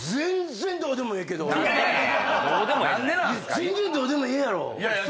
全然どうでもええやろ。